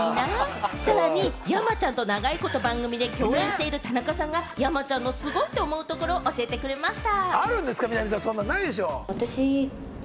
さらに山ちゃんと長いこと番組で共演してる田中さんが、山ちゃんの「すごっ」って思うところを教えてくれました。